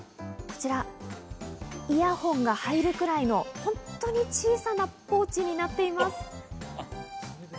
イヤホンが入るくらいの本当に小さなポーチになっています。